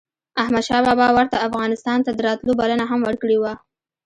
احمد شاه بابا ورته افغانستان ته دَراتلو بلنه هم ورکړې وه